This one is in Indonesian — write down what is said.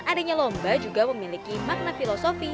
adanya lomba juga memiliki makna filosofi